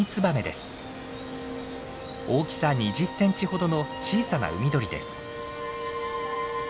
大きさ２０センチほどの小さな海鳥です。